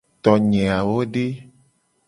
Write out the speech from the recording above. Tonye awo de?